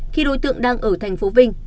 khi đối tượng đang ở thành phố vinh